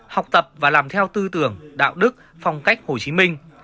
học tập và làm theo tư tưởng đạo đức phong cách hồ chí minh